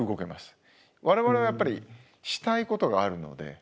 我々はやっぱりしたいことがあるので最初に。